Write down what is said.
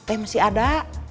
eh masih ada